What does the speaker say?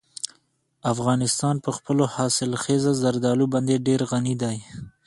افغانستان په خپلو حاصلخیزه زردالو باندې ډېر غني دی.